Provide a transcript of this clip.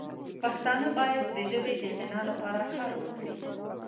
پښتانه باید د ژبې د غنا لپاره کار وکړي.